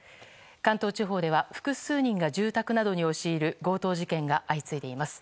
関東地方では複数人が住宅などに押し入る強盗事件が相次いでいます。